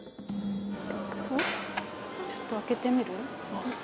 ちょっと開けてみる？